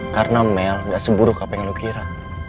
karena mel gak seburuk apa yang lo kira